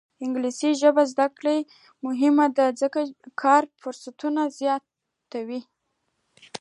د انګلیسي ژبې زده کړه مهمه ده ځکه چې کاري فرصتونه زیاتوي.